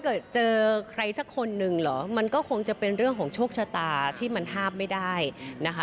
เกิดเจอใครสักคนนึงเหรอมันก็คงจะเป็นเรื่องของโชคชะตาที่มันห้ามไม่ได้นะคะ